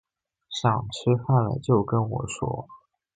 想吃饭了就跟我说